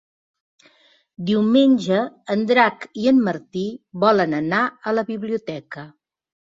Diumenge en Drac i en Martí volen anar a la biblioteca.